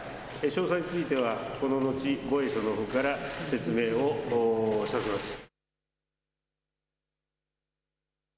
詳細については、こののち防衛省のほうから説明をさせます。